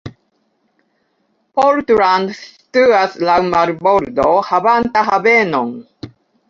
Portland situas laŭ marbordo havanta havenon.